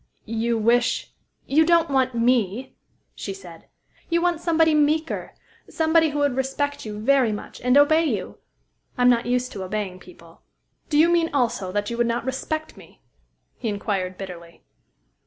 "You wish" "You don't want me," she said. "You want somebody meeker, somebody who would respect you very much, and obey you. I'm not used to obeying people." "Do you mean also that you would not respect me?" he inquired bitterly.